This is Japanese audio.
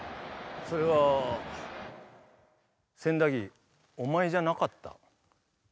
それは千駄木お前じゃなかった。